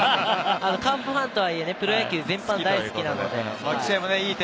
カープファンとはいえ、プロ野球全般が好きなので。